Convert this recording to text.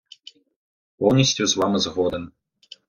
Повністю з вами згоден.